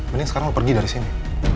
mending sekarang mau pergi dari sini